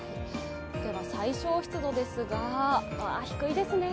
最小湿度ですが、低いですね。